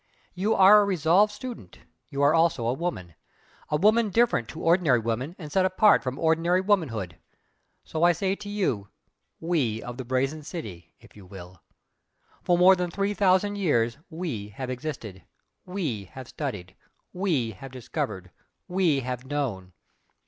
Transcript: You are a resolved student, you are also a woman: a woman different to ordinary women and set apart from ordinary womanhood. So I say to you 'We of the Brazen City' if you will! For more than three thousand years 'we' have existed 'we' have studied, 'we' have discovered 'we' have known.